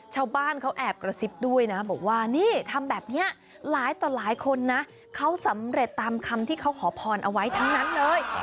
ชาวบ้านเขาแอบกระซิบด้วยนะบอกว่านี่ทำแบบนี้หลายต่อหลายคนนะเขาสำเร็จตามคำที่เขาขอพรเอาไว้ทั้งนั้นเลย